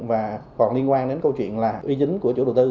và còn liên quan đến câu chuyện là uy tín của chủ đầu tư